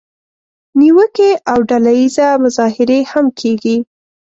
نیوکې او ډله اییزه مظاهرې هم کیږي.